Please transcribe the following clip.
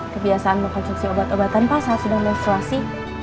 kebiasaan mengkonsumsi obat obatan pasal sudah mensurasi